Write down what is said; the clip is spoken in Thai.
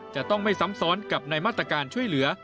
จะต้องไม่ซ้ำซ้อนกับในมาตรการช่วยเหลือ